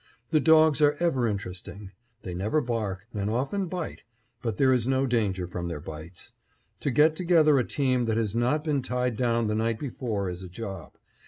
The dogs are ever interesting. They never bark, and often bite, but there is no danger from their bites. To get together a team that has not been tied down the night before is a job.